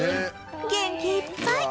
元気いっぱい！